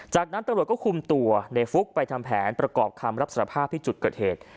จากนั้นตำรวจก็คุมตัวในฟุกไปทำแผนประกอบคำรับสารภาพที่จุดเกิดเหตุ